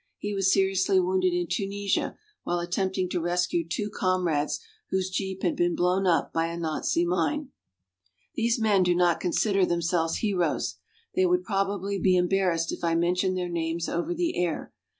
He was seriously wounded in Tunisia while attempting to rescue two comrades whose jeep had been blown up by a Nazi mine. These men do not consider themselves heroes. They would probably be embarrassed if I mentioned their names over the air.